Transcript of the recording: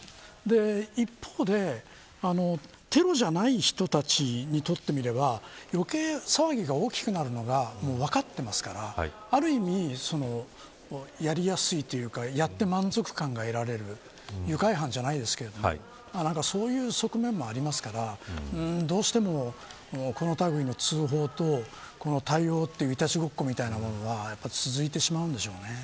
一方で、テロじゃない人たちにとってみれば余計騒ぎが大きくなるのが分かっていますからある意味やりやすいというかやって満足感が得られる愉快犯じゃないですけどそういう側面もありますからどうしてもこのたぐいの通報と対応といういたちごっこみたいなものは続いてしまうんでしょうね。